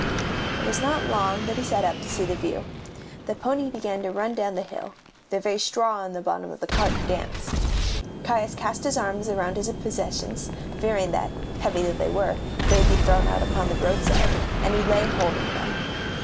It was not long that he sat up to see the view. The pony began to run down the hill; the very straw in the bottom of the cart danced. Caius cast his arms about his possessions, fearing that, heavy though they were, they would be thrown out upon the roadside, and he lay holding them.